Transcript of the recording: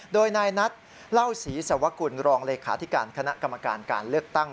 โดยนายนัทเล่าศรีสวกุลรองเลขาธิการคณะกรรมการการเลือกตั้ง